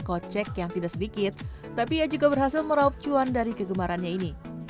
kocek yang tidak sedikit tapi ia juga berhasil meraup cuan dari kegemarannya ini